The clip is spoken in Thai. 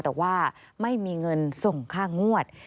แต่ว่าไม่มีเงินส่งค่างวด